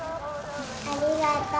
ありがとう。